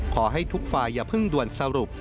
ขอให้ทุกฝ่ายอย่าเพิ่งด่วนสรุป